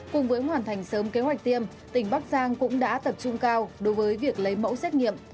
cùng với hoàn thành sớm kế hoạch tiêm tỉnh bắc giang cũng đã tập trung cao đối với việc lấy mẫu xét nghiệm